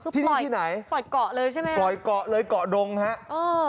ที่นี่ที่ไหนปล่อยเกาะเลยใช่ไหมปล่อยเกาะเลยเกาะดงฮะเออ